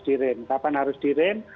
diren kapan harus diren